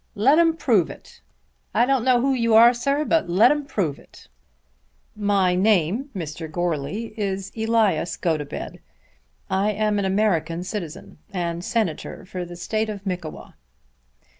"Let 'em prove it. I don't know who you are, sir; but let 'em prove it." "My name, Mr. Goarly, is Elias Gotobed. I am an American citizen, and Senator for the State of Mickewa."